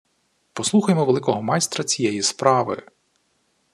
Послухаймо великого майстра «цієї справи»: